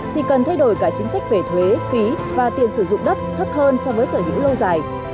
thì cần thay đổi cả chính sách về thuế phí và tiền sử dụng đất thấp hơn so với sở hữu lâu dài